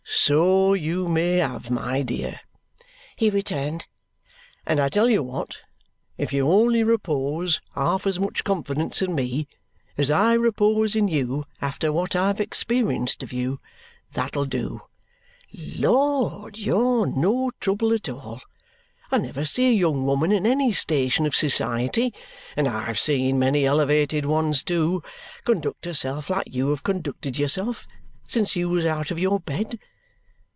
"So you may have, my dear," he returned. "And I tell you what! If you only repose half as much confidence in me as I repose in you after what I've experienced of you, that'll do. Lord! You're no trouble at all. I never see a young woman in any station of society and I've seen many elevated ones too conduct herself like you have conducted yourself since you was called out of your bed.